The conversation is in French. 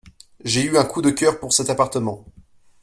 J'ai eu un coup de cœur pour cet appartement.